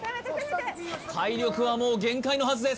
体力はもう限界のはずです